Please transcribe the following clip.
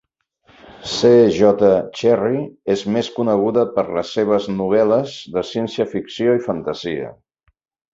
C. J. Cherryh és més coneguda per les seves novel·les de ciència ficció i fantasia.